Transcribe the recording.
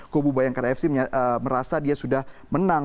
kubu bayangkara fc merasa dia sudah menang